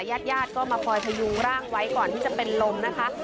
ญาติญาติก็มาคอยพยุงร่างไว้ก่อนที่จะเป็นลมนะคะ